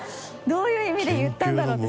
どういう意味で言ったんだろう。